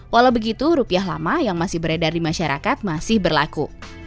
walau begitu rupiah lama yang masih beredar di masyarakat masih berlaku